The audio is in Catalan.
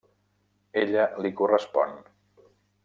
Ella li correspon.